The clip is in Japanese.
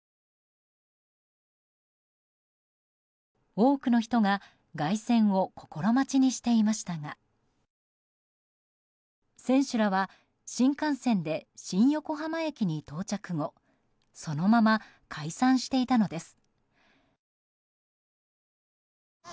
多くの人が凱旋を心待ちにしていましたが選手らは新幹線で新横浜駅に到着後そのまま解散していたのです。